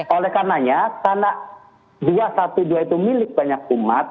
oleh karenanya karena dua ratus dua belas itu milik banyak umat